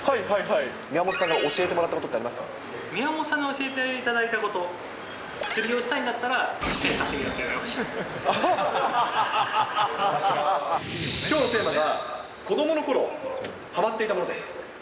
宮本さんから教えてもらった宮本さんに教えていただいたこと、釣りをしたいんだったら、きょうのテーマが、子どものころハマっていたものです。